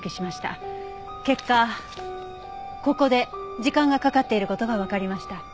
結果ここで時間がかかっている事がわかりました。